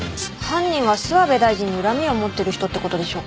「犯人は諏訪部大臣に恨みを持ってる人って事でしょうか？」